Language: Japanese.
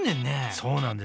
そうなんです。